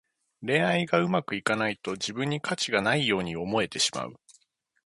恋愛がうまくいかないと、自分に価値がないように思えてしまう。